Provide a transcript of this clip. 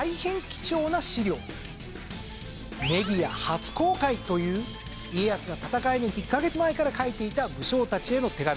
メディア初公開という家康が戦いの１カ月前から書いていた武将たちへの手紙。